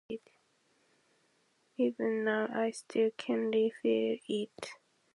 Even now I still keenly feel it.